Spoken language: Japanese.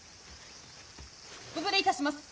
・ご無礼いたします。